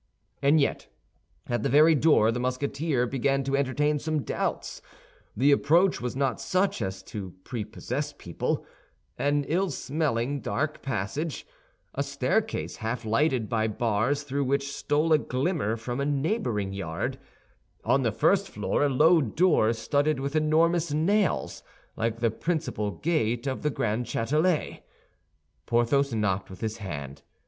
And yet, at the very door the Musketeer began to entertain some doubts. The approach was not such as to prepossess people—an ill smelling, dark passage, a staircase half lighted by bars through which stole a glimmer from a neighboring yard; on the first floor a low door studded with enormous nails, like the principal gate of the Grand Châtelet. Porthos knocked with his hand.